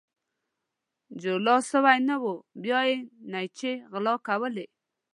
جولا سوى نه وو ، بيا يې نيچې غلا کولې.